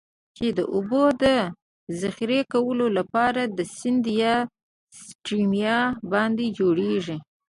چې د اوبو د ذخیره کولو لپاره د سیند یا Stream باندی جوړیږي.